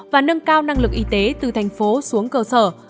và nâng cao năng lực y tế từ thành phố xuống cơ sở